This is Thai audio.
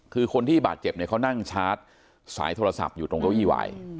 คือคนที่บาดเจ็บเนี่ยเขานั่งชาร์จสายโทรศัพท์อยู่ตรงเก้าอี้วาย